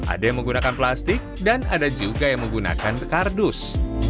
ada yang menggunakan plastik dan ada juga yang menggunakan kardus